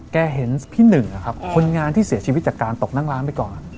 เห็นพี่หนึ่งนะครับคนงานที่เสียชีวิตจากการตกนั่งร้านไปก่อน